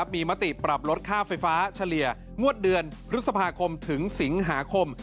มีมติปรับลดค่าไฟฟ้าเฉลี่ยงวดเดือนพฤษภาคมถึงสิงหาคม